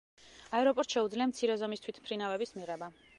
აეროპორტს შეუძლია მცირე ზომის თვითმფრინავების მიღება.